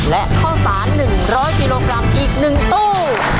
และข้าวสาร๑๐๐กิโลกรัมอีก๑ตู้